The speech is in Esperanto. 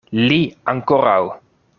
Li ankoraŭ!